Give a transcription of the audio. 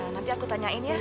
nanti aku tanyain ya